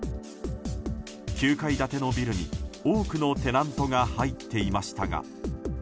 ９階建てのビルに多くのテナントが入っていましたが。